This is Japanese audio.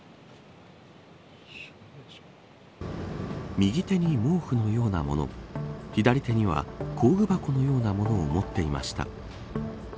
右手に毛布のようなもの左手には工具箱のようなものを持っていました。